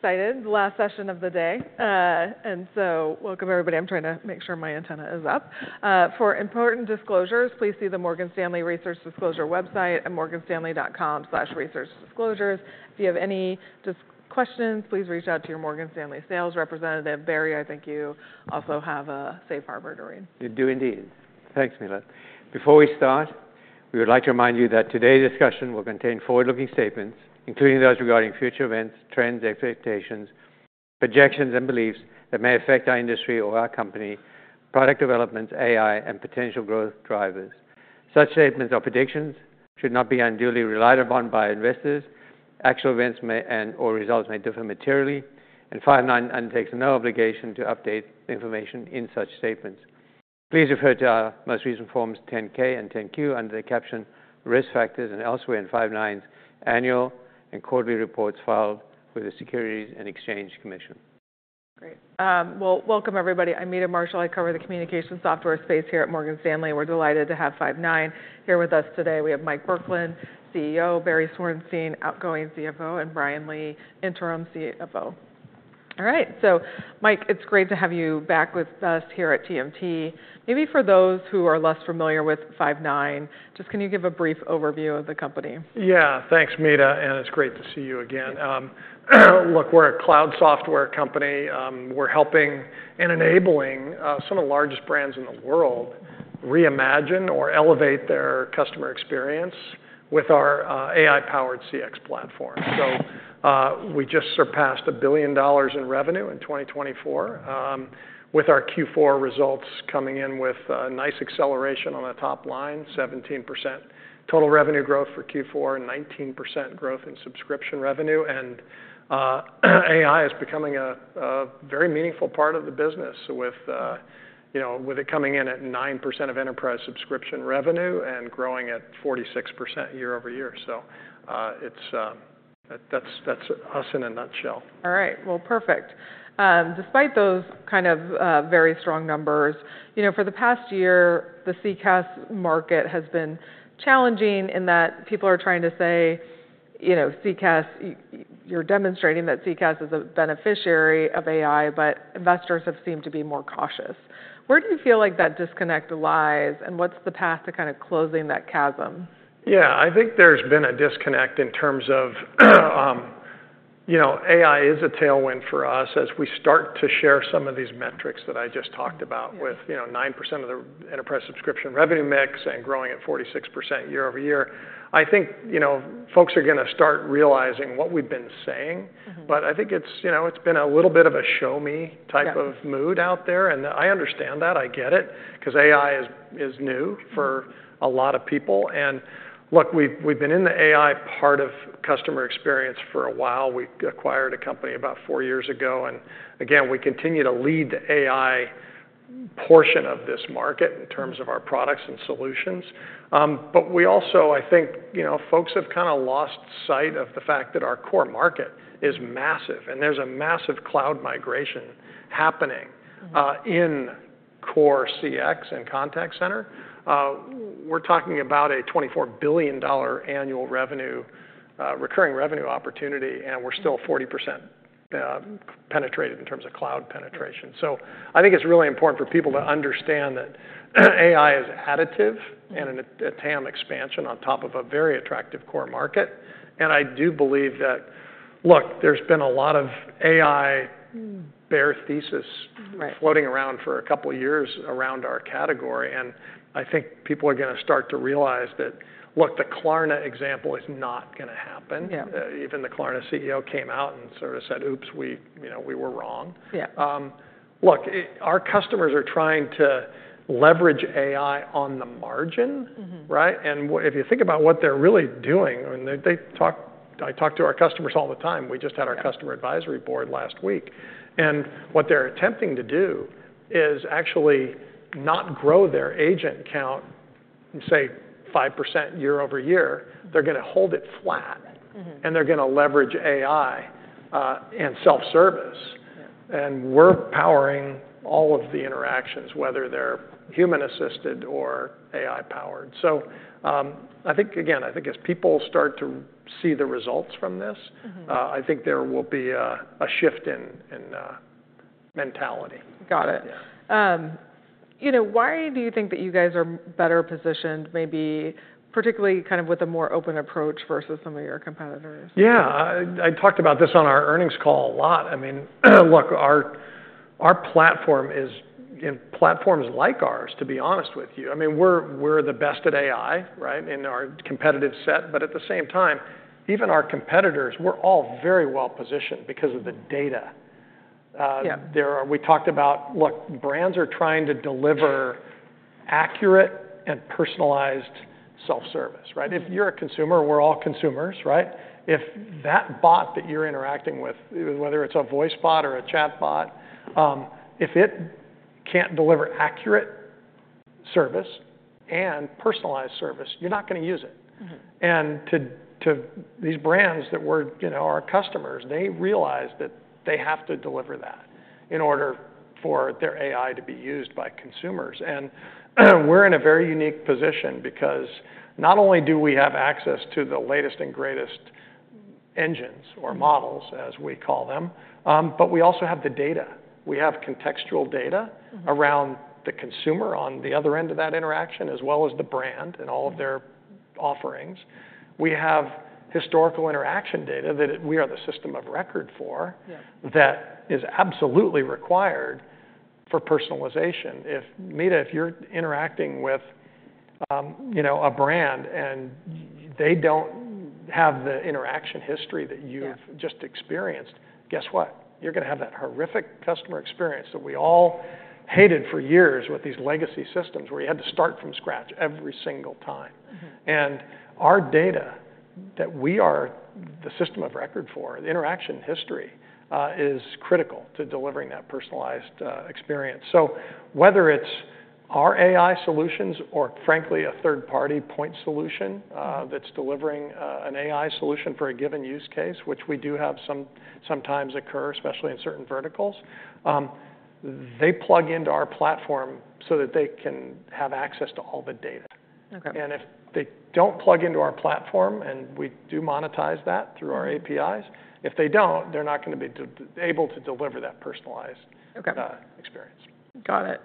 Excited, the last session of the day. Welcome everybody. I'm trying to make sure my antenna is up. For important disclosures, please see the Morgan Stanley Research Disclosure website at morganstanley.com/researchdisclosures. If you have any questions, please reach out to your Morgan Stanley sales representative. Barry, I think you also have a safe harbor to read. You do indeed. Thanks, Meta. Before we start, we would like to remind you that today's discussion will contain forward-looking statements, including those regarding future events, trends, expectations, projections, and beliefs that may affect our industry or our company, product developments, AI, and potential growth drivers. Such statements or predictions should not be unduly relied upon by investors. Actual events and/or results may differ materially, and Five9 undertakes no obligation to update information in such statements. Please refer to our most recent Forms 10-K and 10-Q, under the caption "Risk Factors" and elsewhere in Five9's annual and quarterly reports filed with the Securities and Exchange Commission. Great. Well, welcome everybody. I'm Meta Marshall. I cover the communication software space here at Morgan Stanley. We're delighted to have Five9 here with us today. We have Mike Burkland, CEO, Barry Zwarenstein, outgoing CFO, and Bryan Lee, interim CFO. All right, so Mike, it's great to have you back with us here at TMT. Maybe for those who are less familiar with Five9, just can you give a brief overview of the company? Yeah, thanks, Meta, and it's great to see you again. Look, we're a cloud software company. We're helping and enabling some of the largest brands in the world reimagine or elevate their customer experience with our AI-powered CX platform. So we just surpassed $1 billion in revenue in 2024 with our Q4 results coming in with a nice acceleration on the top line: 17% total revenue growth for Q4, 19% growth in subscription revenue. And AI is becoming a very meaningful part of the business, with it coming in at 9% of enterprise subscription revenue and growing at 46% year-over-year. So that's us in a nutshell. All right, well, perfect. Despite those kind of very strong numbers, for the past year, the CCaaS market has been challenging in that people are trying to say, you're demonstrating that CCaaS is a beneficiary of AI, but investors have seemed to be more cautious. Where do you feel like that disconnect lies, and what's the path to kind of closing that chasm? Yeah, I think there's been a disconnect in terms of AI is a tailwind for us as we start to share some of these metrics that I just talked about with 9% of the enterprise subscription revenue mix and growing at 46% year-over-year. I think folks are going to start realizing what we've been saying, but I think it's been a little bit of a show-me type of mood out there. And I understand that. I get it, because AI is new for a lot of people. And look, we've been in the AI part of customer experience for a while. We acquired a company about four years ago. And again, we continue to lead the AI portion of this market in terms of our products and solutions. But we also, I think, folks have kind of lost sight of the fact that our core market is massive, and there's a massive cloud migration happening in core CX and contact center. We're talking about a $24 billion annual recurring revenue opportunity, and we're still 40% penetrated in terms of cloud penetration. So I think it's really important for people to understand that AI is additive and a TAM expansion on top of a very attractive core market. And I do believe that, look, there's been a lot of AI bear thesis floating around for a couple of years around our category. And I think people are going to start to realize that, look, the Klarna example is not going to happen. Even the Klarna CEO came out and sort of said, "Oops, we were wrong." Look, our customers are trying to leverage AI on the margin. If you think about what they're really doing, I talk to our customers all the time. We just had our customer advisory board last week. What they're attempting to do is actually not grow their agent count, say, 5% year-over-year. They're going to hold it flat, and they're going to leverage AI and self-service. We're powering all of the interactions, whether they're human-assisted or AI-powered. I think, again, I think there will be a shift in mentality. Got it. Why do you think that you guys are better positioned, maybe particularly kind of with a more open approach versus some of your competitors? Yeah, I talked about this on our earnings call a lot. I mean, look, our platform is platforms like ours, to be honest with you. I mean, we're the best at AI in our competitive set. But at the same time, even our competitors, we're all very well positioned because of the data. We talked about, look, brands are trying to deliver accurate and personalized self-service. If you're a consumer, we're all consumers. If that bot that you're interacting with, whether it's a voice bot or a chatbot, if it can't deliver accurate service and personalized service, you're not going to use it. And to these brands that were our customers, they realized that they have to deliver that in order for their AI to be used by consumers. We're in a very unique position because not only do we have access to the latest and greatest engines or models, as we call them, but we also have the data. We have contextual data around the consumer on the other end of that interaction, as well as the brand and all of their offerings. We have historical interaction data that we are the system of record for that is absolutely required for personalization. Meta, if you're interacting with a brand and they don't have the interaction history that you've just experienced, guess what? You're going to have that horrific customer experience that we all hated for years with these legacy systems where you had to start from scratch every single time. And our data that we are the system of record for, the interaction history, is critical to delivering that personalized experience. So whether it's our AI solutions or, frankly, a third-party point solution that's delivering an AI solution for a given use case, which we do have sometimes occur, especially in certain verticals, they plug into our platform so that they can have access to all the data. And if they don't plug into our platform, and we do monetize that through our APIs, if they don't, they're not going to be able to deliver that personalized experience. Got it.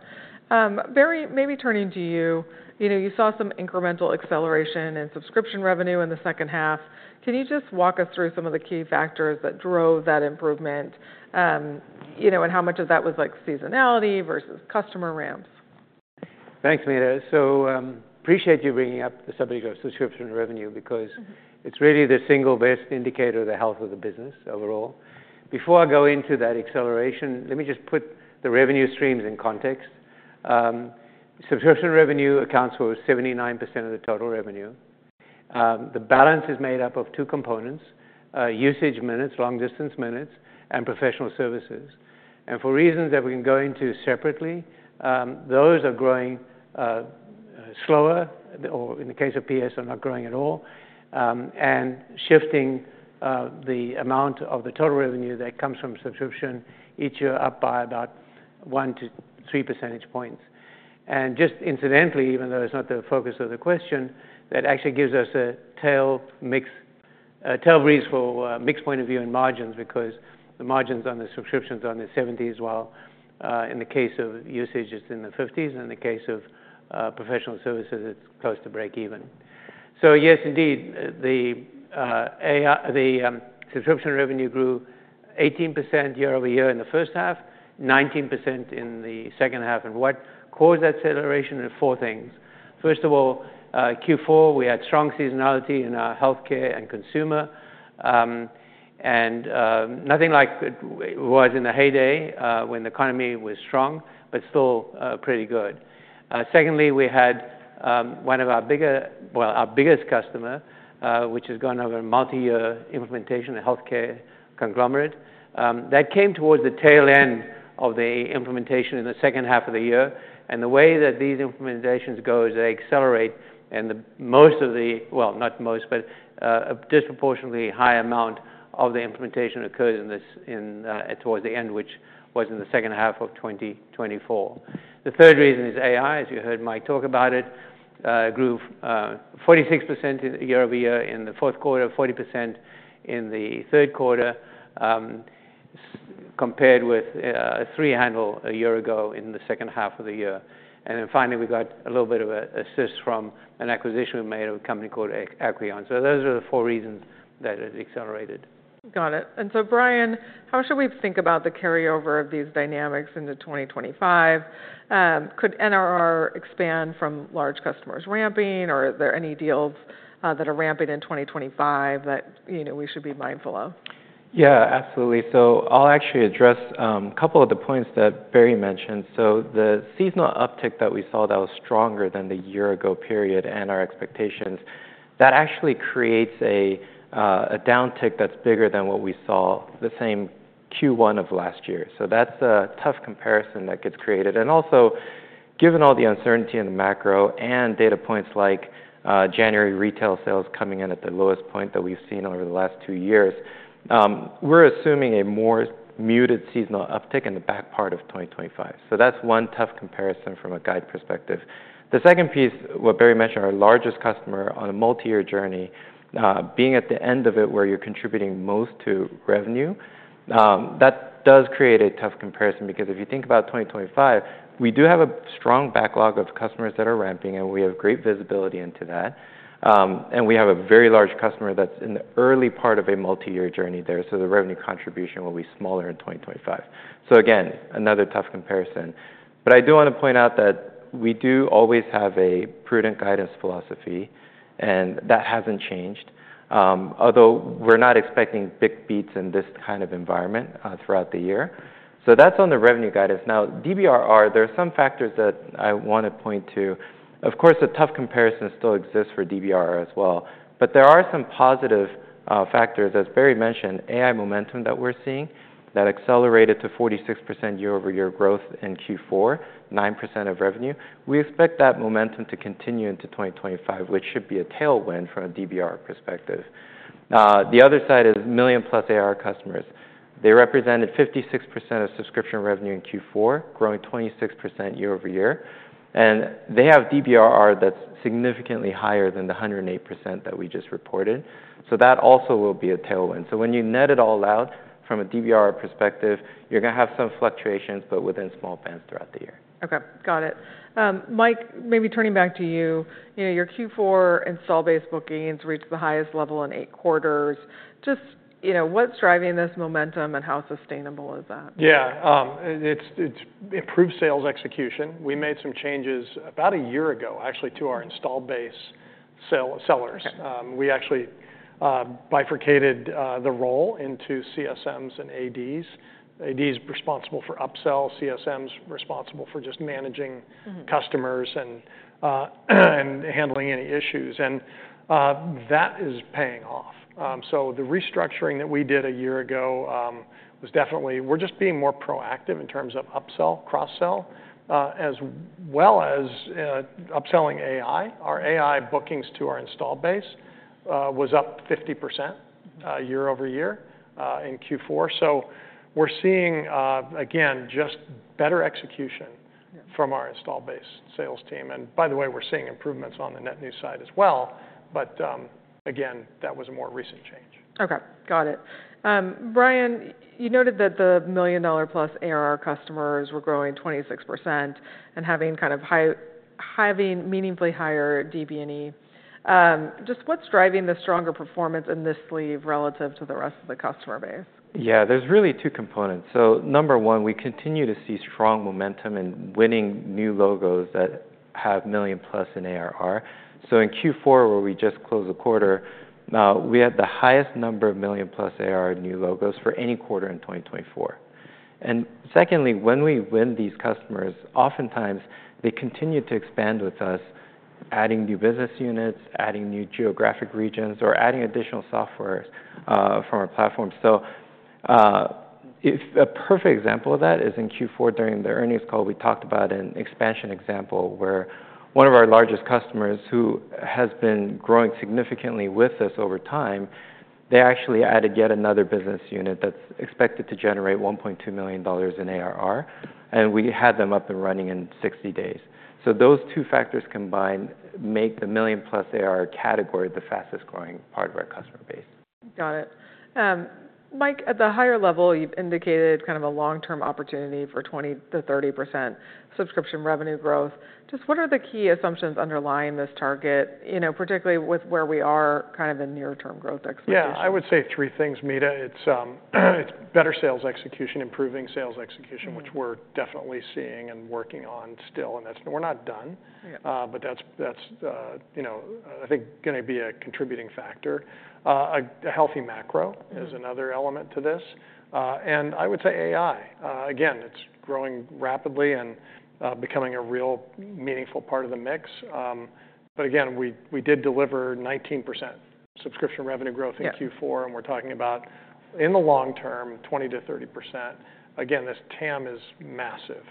Barry, maybe turning to you. You saw some incremental acceleration in subscription revenue in the second half. Can you just walk us through some of the key factors that drove that improvement and how much of that was seasonality versus customer ramps? Thanks, Meta. So appreciate you bringing up the subject of subscription revenue because it's really the single best indicator of the health of the business overall. Before I go into that acceleration, let me just put the revenue streams in context. Subscription revenue accounts for 79% of the total revenue. The balance is made up of two components: usage minutes, long-distance minutes, and professional services. And for reasons that we can go into separately, those are growing slower, or in the case of PS, are not growing at all. And shifting the amount of the total revenue that comes from subscription each year up by about one to three percentage points. And just incidentally, even though it's not the focus of the question, that actually gives us a tailwind for product mix and margins because the margins on the subscriptions are in the 70s, while in the case of usage, it's in the 50s. And in the case of professional services, it's close to breakeven. So yes, indeed, the subscription revenue grew 18% year-over-year in the first half, 19% in the second half. And what caused that acceleration? Four things. First of all, in Q4, we had strong seasonality in our healthcare and consumer. And nothing like it was in the heyday when the economy was strong, but still pretty good. Secondly, we had one of our biggest customers, which has been on a multi-year implementation, a healthcare conglomerate, that came towards the tail end of the implementation in the second half of the year. The way that these implementations go, they accelerate. Most of the, well, not most, but a disproportionately high amount of the implementation occurred towards the end, which was in the second half of 2024. The third reason is AI, as you heard Mike talk about it, grew 46% year-over-year in the fourth quarter, 40% in the third quarter, compared with a three-handle a year ago in the second half of the year. Then finally, we got a little bit of assist from an acquisition we made of a company called Aceyus. Those are the four reasons that it accelerated. Got it. And so, Bryan, how should we think about the carryover of these dynamics into 2025? Could NRR expand from large customers ramping, or are there any deals that are ramping in 2025 that we should be mindful of? Yeah, absolutely, so I'll actually address a couple of the points that Barry mentioned, so the seasonal uptick that we saw that was stronger than the year-ago period and our expectations, that actually creates a downtick that's bigger than what we saw the same Q1 of last year, so that's a tough comparison that gets created, and also, given all the uncertainty in the macro and data points like January retail sales coming in at the lowest point that we've seen over the last two years, we're assuming a more muted seasonal uptick in the back part of 2025, so that's one tough comparison from a guide perspective. The second piece, what Barry mentioned, our largest customer on a multi-year journey, being at the end of it where you're contributing most to revenue, that does create a tough comparison because if you think about 2025, we do have a strong backlog of customers that are ramping, and we have great visibility into that, and we have a very large customer that's in the early part of a multi-year journey there, so the revenue contribution will be smaller in 2025, so again, another tough comparison, but I do want to point out that we do always have a prudent guidance philosophy, and that hasn't changed, although we're not expecting big beats in this kind of environment throughout the year, so that's on the revenue guidance. Now, DBRR, there are some factors that I want to point to. Of course, a tough comparison still exists for DBRR as well. But there are some positive factors, as Barry mentioned, AI momentum that we're seeing, that accelerated to 46% year-over-year growth in Q4, 9% of revenue. We expect that momentum to continue into 2025, which should be a tailwind from a DBRR perspective. The other side is million-plus ARR customers. They represented 56% of subscription revenue in Q4, growing 26% year-over-year. And they have DBRR that's significantly higher than the 108% that we just reported. So that also will be a tailwind. So when you net it all out from a DBRR perspective, you're going to have some fluctuations, but within small bands throughout the year. Okay, got it. Mike, maybe turning back to you, your Q4 installed-based bookings reached the highest level in eight quarters. Just what's driving this momentum, and how sustainable is that? Yeah, it's improved sales execution. We made some changes about a year ago, actually, to our installed-base sellers. We actually bifurcated the role into CSMs and ADs. ADs are responsible for upsell. CSMs are responsible for just managing customers and handling any issues. And that is paying off. So the restructuring that we did a year ago was definitely we're just being more proactive in terms of upsell, cross-sell, as well as upselling AI. Our AI bookings to our installed base was up 50% year-over-year in Q4. So we're seeing, again, just better execution from our installed-base sales team. And by the way, we're seeing improvements on the net new side as well. But again, that was a more recent change. Okay, got it. Bryan, you noted that the million-plus ARR customers were growing 26% and having kind of meaningfully higher DB&E. Just what's driving the stronger performance in this sleeve relative to the rest of the customer base? Yeah, there's really two components, so number one, we continue to see strong momentum in winning new logos that have million-plus in ARR, so in Q4, where we just closed the quarter, we had the highest number of million-plus ARR new logos for any quarter in 2024, and secondly, when we win these customers, oftentimes they continue to expand with us, adding new business units, adding new geographic regions, or adding additional software from our platform, so a perfect example of that is in Q4 during the earnings call, we talked about an expansion example where one of our largest customers who has been growing significantly with us over time, they actually added yet another business unit that's expected to generate $1.2 million in ARR, and we had them up and running in 60 days. So those two factors combined make the million-plus ARR category the fastest-growing part of our customer base. Got it. Mike, at the higher level, you've indicated kind of a long-term opportunity for 20%-30% subscription revenue growth. Just what are the key assumptions underlying this target, particularly with where we are kind of in near-term growth expectations? Yeah, I would say three things, Meta. It's better sales execution, improving sales execution, which we're definitely seeing and working on still. And we're not done, but that's, I think, going to be a contributing factor. A healthy macro is another element to this. And I would say AI. Again, it's growing rapidly and becoming a real meaningful part of the mix. But again, we did deliver 19% subscription revenue growth in Q4. And we're talking about, in the long term, 20%-30%. Again, this TAM is massive.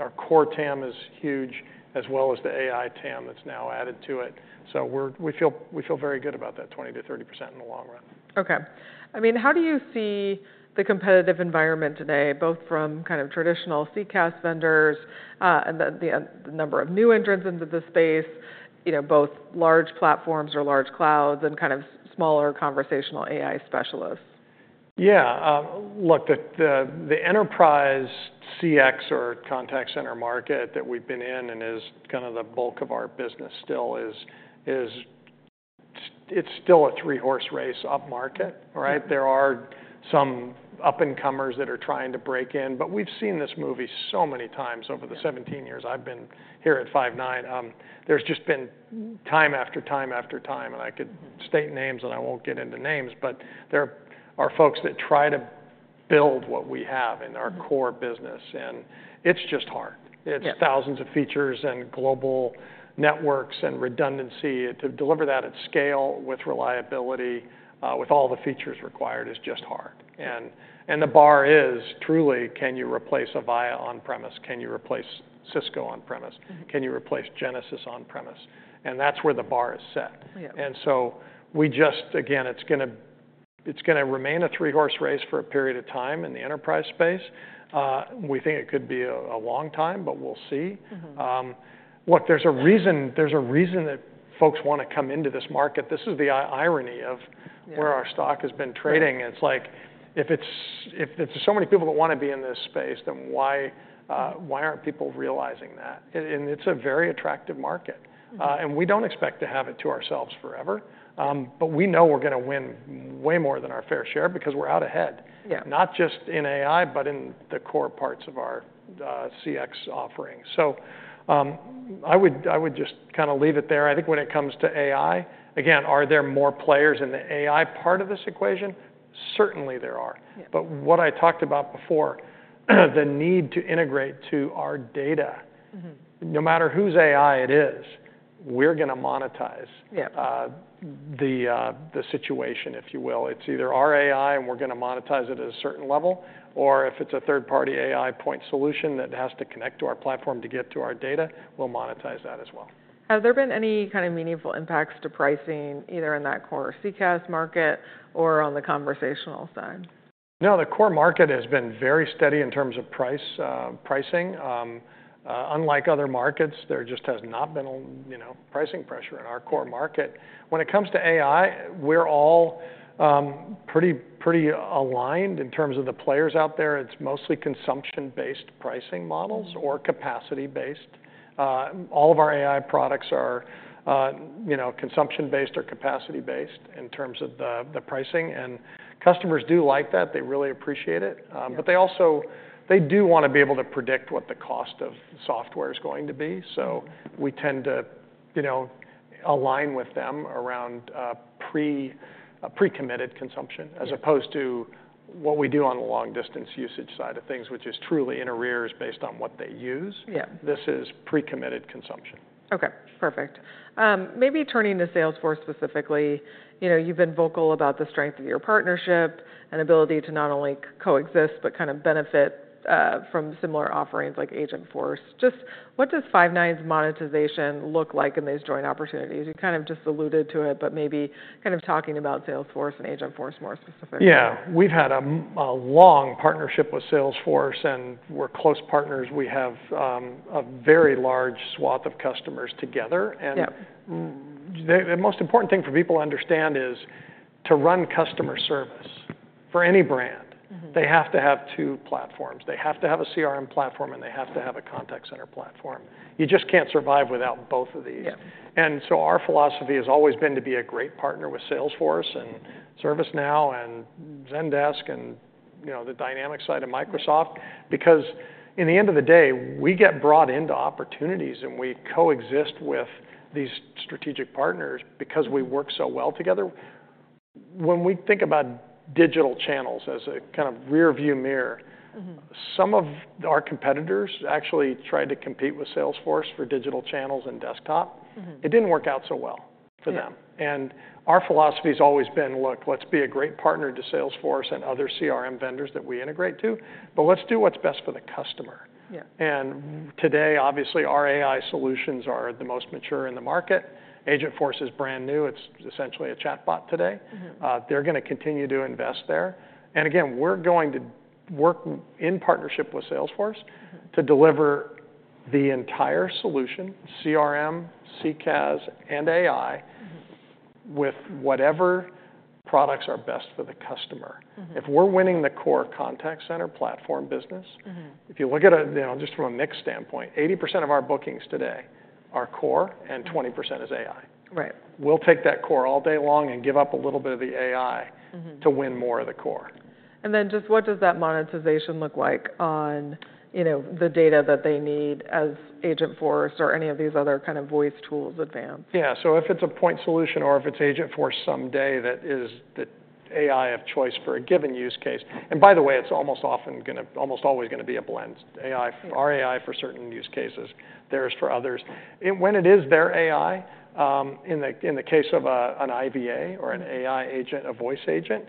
Our core TAM is huge, as well as the AI TAM that's now added to it. So we feel very good about that 20%-30% in the long run. Okay. I mean, how do you see the competitive environment today, both from kind of traditional CCaaS vendors and the number of new entrants into the space, both large platforms or large clouds and kind of smaller conversational AI specialists? Yeah. Look, the enterprise CX or contact center market that we've been in and is kind of the bulk of our business still, it's still a three-horse race up market, right? There are some up-and-comers that are trying to break in. But we've seen this movie so many times over the 17 years I've been here at Five9. There's just been time after time after time, and I could state names, and I won't get into names, but there are folks that try to build what we have in our core business. And it's just hard. It's thousands of features and global networks and redundancy. To deliver that at scale with reliability, with all the features required, is just hard. And the bar is truly, can you replace Avaya on-premise? Can you replace Cisco on-premise? Can you replace Genesys on-premise? And that's where the bar is set. And so we just, again, it's going to remain a three-horse race for a period of time in the enterprise space. We think it could be a long time, but we'll see. Look, there's a reason that folks want to come into this market. This is the irony of where our stock has been trading. It's like, if there's so many people that want to be in this space, then why aren't people realizing that? And it's a very attractive market. And we don't expect to have it to ourselves forever. But we know we're going to win way more than our fair share because we're out ahead, not just in AI, but in the core parts of our CX offering. So I would just kind of leave it there. I think when it comes to AI, again, are there more players in the AI part of this equation? Certainly, there are. But what I talked about before, the need to integrate to our data, no matter whose AI it is, we're going to monetize the situation, if you will. It's either our AI, and we're going to monetize it at a certain level. Or if it's a third-party AI point solution that has to connect to our platform to get to our data, we'll monetize that as well. Have there been any kind of meaningful impacts to pricing, either in that core CCaaS market or on the conversational side? No, the core market has been very steady in terms of pricing. Unlike other markets, there just has not been pricing pressure in our core market. When it comes to AI, we're all pretty aligned in terms of the players out there. It's mostly consumption-based pricing models or capacity-based. All of our AI products are consumption-based or capacity-based in terms of the pricing. And customers do like that. They really appreciate it. But they also do want to be able to predict what the cost of software is going to be. So we tend to align with them around pre-committed consumption, as opposed to what we do on the long-distance usage side of things, which is truly in arrears based on what they use. This is pre-committed consumption. Okay, perfect. Maybe turning to Salesforce specifically, you've been vocal about the strength of your partnership and ability to not only coexist, but kind of benefit from similar offerings like Agentforce. Just what does Five9's monetization look like in these joint opportunities? You kind of just alluded to it, but maybe kind of talking about Salesforce and Agentforce more specifically. Yeah, we've had a long partnership with Salesforce, and we're close partners. We have a very large swath of customers together. And the most important thing for people to understand is to run customer service for any brand, they have to have two platforms. They have to have a CRM platform, and they have to have a contact center platform. You just can't survive without both of these. And so our philosophy has always been to be a great partner with Salesforce and ServiceNow and Zendesk and the Dynamics side of Microsoft. Because at the end of the day, we get brought into opportunities, and we coexist with these strategic partners because we work so well together. When we think about digital channels as a kind of rearview mirror, some of our competitors actually tried to compete with Salesforce for digital channels and desktop. It didn't work out so well for them. And our philosophy has always been, look, let's be a great partner to Salesforce and other CRM vendors that we integrate to, but let's do what's best for the customer. And today, obviously, our AI solutions are the most mature in the market. Agentforce is brand new. It's essentially a chatbot today. They're going to continue to invest there. And again, we're going to work in partnership with Salesforce to deliver the entire solution, CRM, CCaaS, and AI with whatever products are best for the customer. If we're winning the core contact center platform business, if you look at it just from a mixed standpoint, 80% of our bookings today are core and 20% is AI. We'll take that core all day long and give up a little bit of the AI to win more of the core. And then just what does that monetization look like on the data that they need as Agentforce or any of these other kind of voice tools advance? Yeah, so if it's a point solution or if it's Agentforce someday that is the AI of choice for a given use case. And by the way, it's almost always going to be a blend. Our AI for certain use cases, theirs for others. When it is their AI, in the case of an IVA or an AI agent, a voice agent,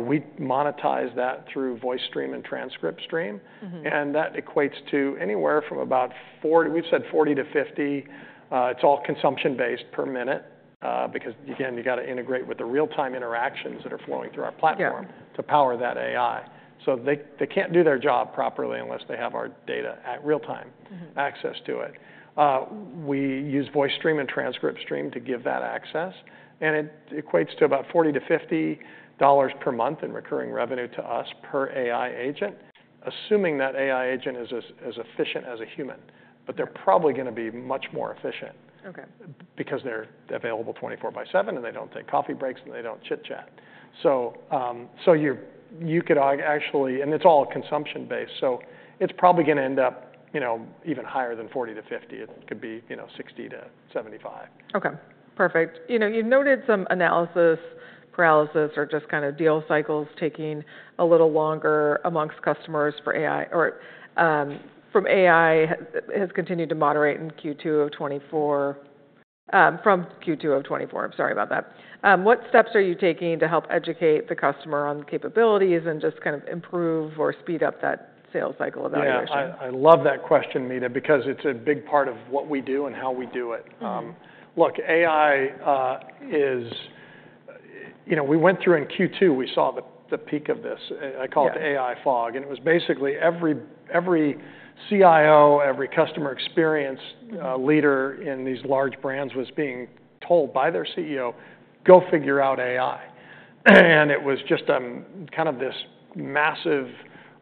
we monetize that through VoiceStream and TranscriptStream. And that equates to anywhere from about 40, we've said 40-50. It's all consumption-based per minute because, again, you got to integrate with the real-time interactions that are flowing through our platform to power that AI. So they can't do their job properly unless they have our data at real-time access to it. We use VoiceStream and TranscriptStream to give that access. It equates to about $40-$50 per month in recurring revenue to us per AI agent, assuming that AI agent is as efficient as a human. But they're probably going to be much more efficient because they're available 24 by 7, and they don't take coffee breaks, and they don't chit-chat. So you could actually, and it's all consumption-based. So it's probably going to end up even higher than 40-50. It could be 60-75. Okay, perfect. You've noted some analysis paralysis or just kind of deal cycles taking a little longer among customers from AI has continued to moderate in Q2 of 2024. From Q2 of 2024, I'm sorry about that. What steps are you taking to help educate the customer on capabilities and just kind of improve or speed up that sales cycle evaluation? Yeah, I love that question, Meta, because it's a big part of what we do and how we do it. Look, as we went through in Q2, we saw the peak of this. I call it the AI fog. And it was basically every CIO, every customer experience leader in these large brands was being told by their CEO, go figure out AI. And it was just kind of this massive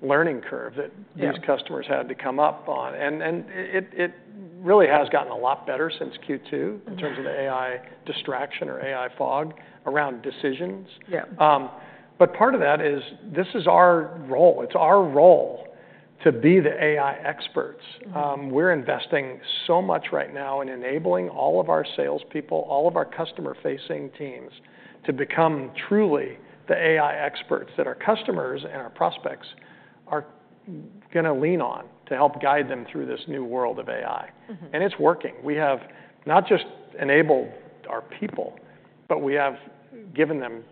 learning curve that these customers had to come up on. And it really has gotten a lot better since Q2 in terms of the AI distraction or AI fog around decisions. But part of that is this is our role. It's our role to be the AI experts. We're investing so much right now in enabling all of our salespeople, all of our customer-facing teams to become truly the AI experts that our customers and our prospects are going to lean on to help guide them through this new world of AI. And it's working. We have not just enabled our people, but we have given them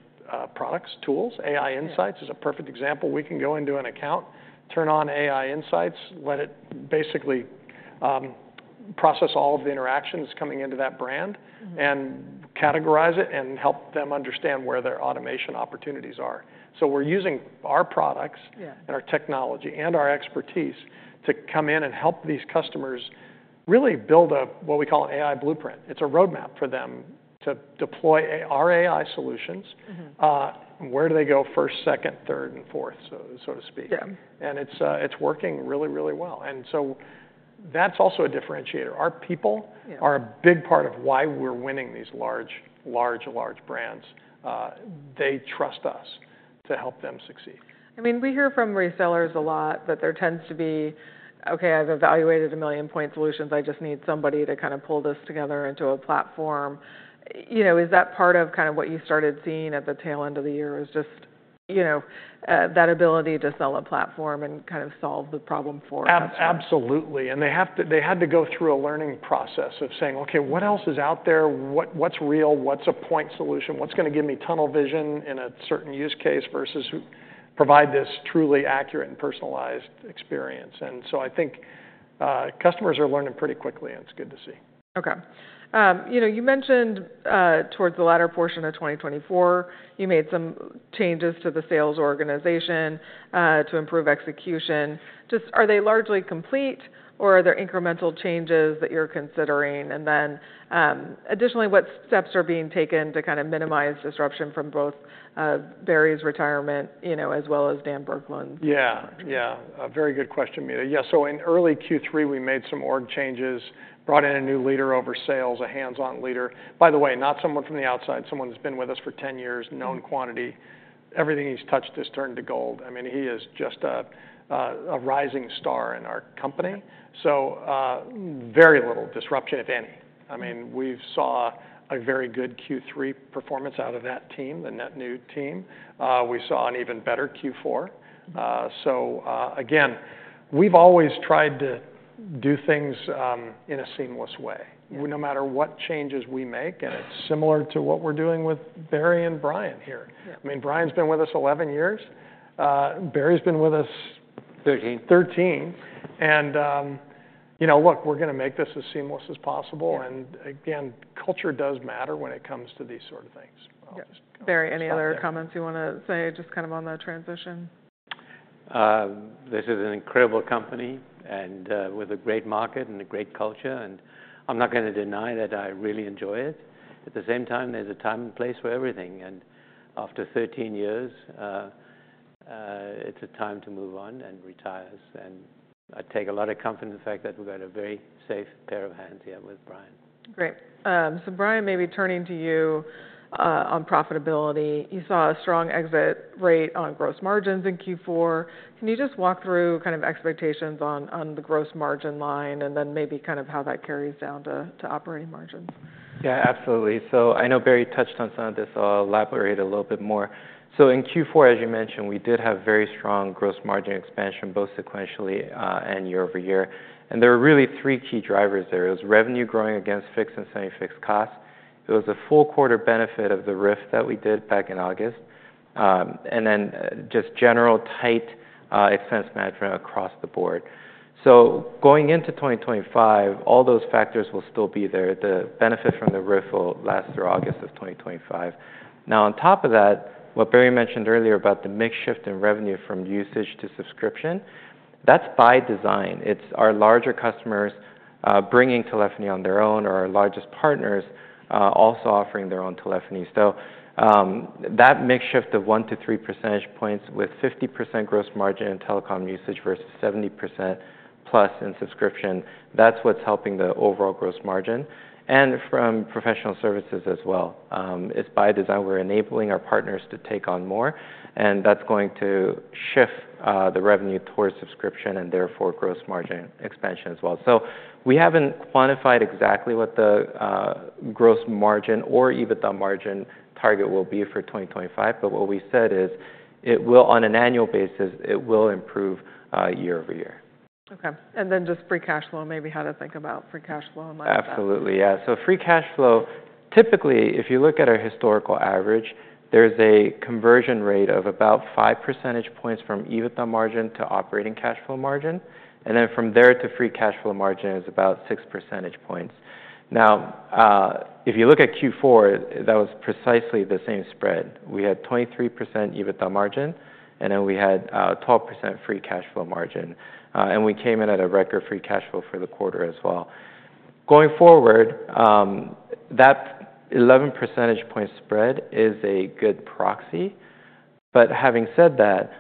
products, tools. AI Insights is a perfect example. We can go into an account, turn on AI Insights, let it basically process all of the interactions coming into that brand and categorize it and help them understand where their automation opportunities are. So we're using our products and our technology and our expertise to come in and help these customers really build up what we call an AI Blueprint. It's a roadmap for them to deploy our AI solutions. Where do they go first, second, third, and fourth, so to speak? And it's working really, really well. And so that's also a differentiator. Our people are a big part of why we're winning these large, large, large brands. They trust us to help them succeed. I mean, we hear from resellers a lot that there tends to be, okay, I've evaluated a million point solutions. I just need somebody to kind of pull this together into a platform. Is that part of kind of what you started seeing at the tail end of the year is just that ability to sell a platform and kind of solve the problem for us? Absolutely. And they had to go through a learning process of saying, okay, what else is out there? What's real? What's a point solution? What's going to give me tunnel vision in a certain use case versus provide this truly accurate and personalized experience? And so I think customers are learning pretty quickly, and it's good to see. Okay. You mentioned towards the latter portion of 2024, you made some changes to the sales organization to improve execution. Are they largely complete, or are there incremental changes that you're considering? And then additionally, what steps are being taken to kind of minimize disruption from both Barry's retirement as well as Dan Burkland? Yeah, yeah. Very good question, Meta. Yeah, so in early Q3, we made some org changes, brought in a new leader over sales, a hands-on leader. By the way, not someone from the outside, someone who's been with us for 10 years, known quantity. Everything he's touched has turned to gold. I mean, he is just a rising star in our company. So very little disruption, if any. I mean, we saw a very good Q3 performance out of that team, the net new team. We saw an even better Q4. So again, we've always tried to do things in a seamless way. No matter what changes we make, and it's similar to what we're doing with Barry and Bryan here. I mean, Bryan's been with us 11 years. Barry's been with us. 13. And look, we're going to make this as seamless as possible. And again, culture does matter when it comes to these sort of things. Barry, any other comments you want to say just kind of on the transition? This is an incredible company with a great market and a great culture, and I'm not going to deny that I really enjoy it. At the same time, there's a time and place for everything, and after 13 years, it's a time to move on and retire, and I take a lot of comfort in the fact that we've got a very safe pair of hands here with Bryan. Great. So Bryan, maybe turning to you on profitability. You saw a strong exit rate on gross margins in Q4. Can you just walk through kind of expectations on the gross margin line and then maybe kind of how that carries down to operating margins? Yeah, absolutely. So I know Barry touched on some of this, so I'll elaborate a little bit more. So in Q4, as you mentioned, we did have very strong gross margin expansion, both sequentially and year-over-year. And there were really three key drivers there. It was revenue growing against fixed and semi-fixed costs. It was a full quarter benefit of the RIF that we did back in August. And then just general tight expense management across the board. So going into 2025, all those factors will still be there. The benefit from the RIF will last through August of 2025. Now, on top of that, what Barry mentioned earlier about the mixed shift in revenue from usage to subscription, that's by design. It's our larger customers bringing telephony on their own or our largest partners also offering their own telephony. So that mixed shift of 1-3 percentage points with 50% gross margin in telecom usage versus 70%+ in subscription, that's what's helping the overall gross margin. And from professional services as well. It's by design. We're enabling our partners to take on more. And that's going to shift the revenue towards subscription and therefore gross margin expansion as well. So we haven't quantified exactly what the gross margin or EBITDA margin target will be for 2025. But what we said is on an annual basis, it will improve year over year. Okay, and then just free cash flow, maybe how to think about free cash flow and lifestyle. Absolutely. Yeah. So free cash flow, typically, if you look at our historical average, there's a conversion rate of about five percentage points from EBITDA margin to operating cash flow margin. And then from there to free cash flow margin is about six percentage points. Now, if you look at Q4, that was precisely the same spread. We had 23% EBITDA margin, and then we had 12% free cash flow margin. And we came in at a record free cash flow for the quarter as well. Going forward, that 11 percentage point spread is a good proxy. But having said that,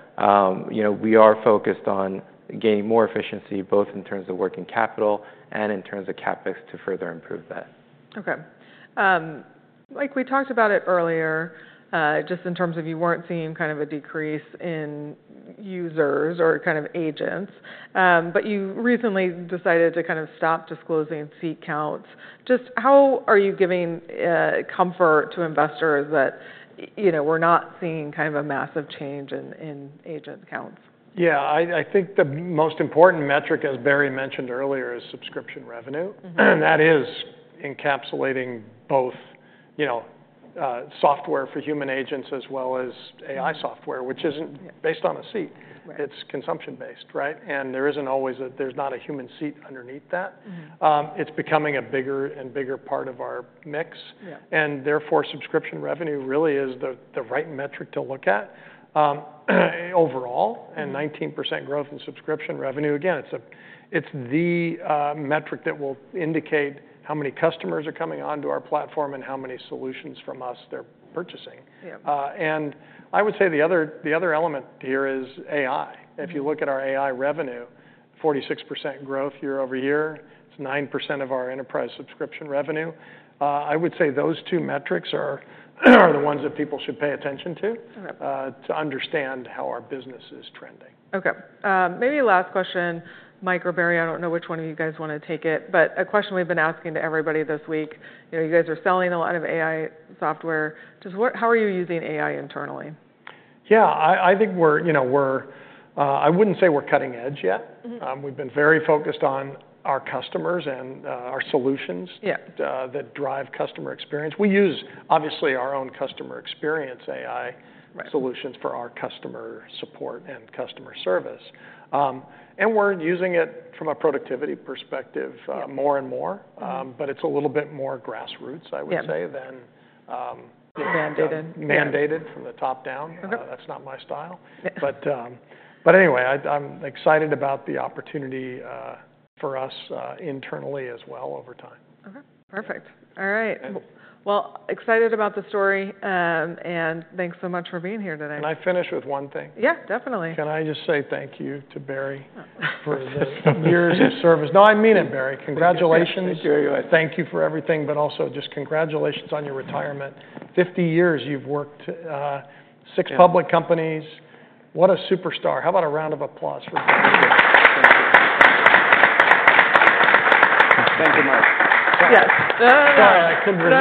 we are focused on gaining more efficiency both in terms of working capital and in terms of CapEx to further improve that. Okay. Mike we talked about it earlier, just in terms of you weren't seeing kind of a decrease in users or kind of agents, but you recently decided to kind of stop disclosing seat counts. Just how are you giving comfort to investors that we're not seeing kind of a massive change in agent counts? Yeah. I think the most important metric, as Barry mentioned earlier, is subscription revenue. And that is encapsulating both software for human agents as well as AI software, which isn't based on a seat. It's consumption-based, right? And there isn't always a, there's not a human seat underneath that. It's becoming a bigger and bigger part of our mix. And therefore, subscription revenue really is the right metric to look at overall and 19% growth in subscription revenue. Again, it's the metric that will indicate how many customers are coming onto our platform and how many solutions from us they're purchasing. And I would say the other element here is AI. If you look at our AI revenue, 46% growth year-over-year. It's 9% of our enterprise subscription revenue. I would say those two metrics are the ones that people should pay attention to to understand how our business is trending. Okay. Maybe last question, Mike or Barry, I don't know which one of you guys want to take it, but a question we've been asking to everybody this week. You guys are selling a lot of AI software. Just how are you using AI internally? Yeah, I think we're. I wouldn't say we're cutting edge yet. We've been very focused on our customers and our solutions that drive customer experience. We use obviously our own customer experience AI solutions for our customer support and customer service. And we're using it from a productivity perspective more and more, but it's a little bit more grassroots, I would say, than mandated from the top down. That's not my style. But anyway, I'm excited about the opportunity for us internally as well over time. Perfect. All right. Excited about the story, and thanks so much for being here today. Can I finish with one thing? Yeah, definitely. Can I just say thank you to Barry for the years of service? No, I mean it, Barry. Congratulations. Thank you. Thank you for everything, but also just congratulations on your retirement. 50 years you've worked six public companies. What a superstar. How about a round of applause for Barry? Thank you. Thank you, Mike. Yes. Sorry, I couldn't.